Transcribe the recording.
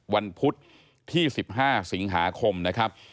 วันพุธที่๑๕สิงหาคมนะครับ